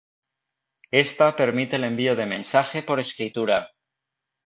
Esta permite el envío de mensaje por escritura.